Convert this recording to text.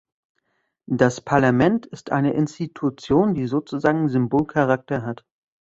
Das Parlament ist eine Institution, die sozusagen Symbolcharakter hat.